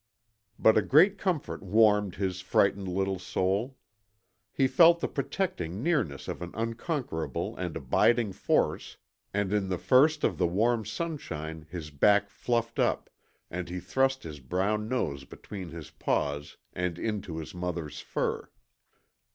But a great comfort warmed his frightened little soul. He felt the protecting nearness of an unconquerable and abiding force and in the first of the warm sunshine his back fluffed up, and he thrust his brown nose between his paws and into his mother's fur.